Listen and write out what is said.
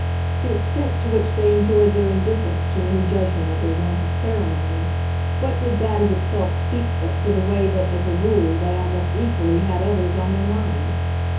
The extent to which they enjoyed their indifference to any judgment of their want of ceremony, what did that of itself speak but for the way that, as a rule, they almost equally had others on their mind?